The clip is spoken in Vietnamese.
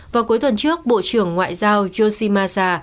vào cuối tuần trước bộ trưởng ngoại giao yoshimasa